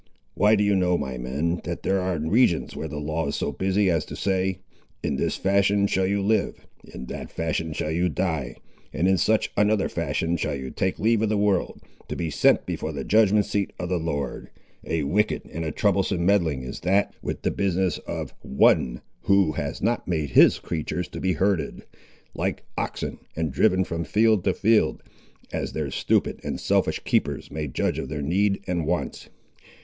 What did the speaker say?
Why do you know, my men, that there are regions where the law is so busy as to say, In this fashion shall you live, in that fashion shall you die, and in such another fashion shall you take leave of the world, to be sent before the judgment seat of the Lord! A wicked and a troublesome meddling is that, with the business of One who has not made His creatures to be herded, like oxen, and driven from field to field, as their stupid and selfish keepers may judge of their need and wants.